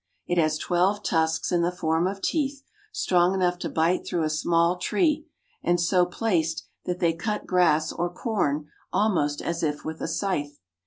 It has twelve tusks in the form of teeth, strong enough to bite through a small tree, and so placed that they cut grass or com almost as if with a scythe.